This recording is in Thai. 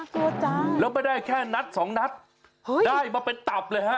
โอธอธาแล้วไม่ได้แค่หนัดสองนัดได้มาเป็นตับเลยฮะ